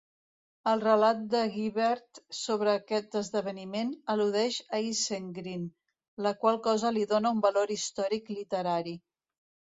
El relat de Guibert sobre aquest esdeveniment al·ludeix a Isengrin, la qual cosa li dona un valor històric literari.